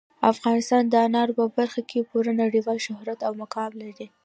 افغانستان د انارو په برخه کې پوره نړیوال شهرت او مقام لري.